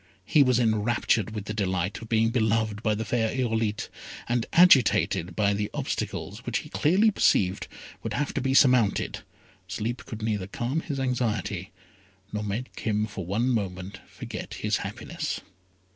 He was enraptured with the delight of being beloved by the fair Irolite, and agitated by the obstacles which he clearly perceived would have to be surmounted, sleep could neither calm his anxiety, nor make him for one moment forget his happiness.